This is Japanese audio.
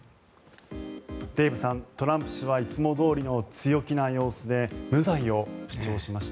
デーブさんトランプ氏はいつもどおりの強気な様子で無罪を主張しました。